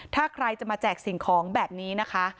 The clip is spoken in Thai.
ถ้าใครจะมาแจกสิ่งของแบบนี้นะคะ